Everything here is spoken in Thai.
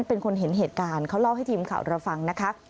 เป็นคนเห็นเหตุการณ์เขาเล่าให้ทีมข่าวเราฟังนะคะ